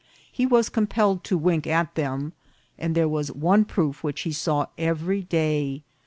He was compelled to wink at them ; and there was one proof which he saw every day.